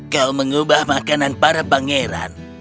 kau mengubah makanan para pangeran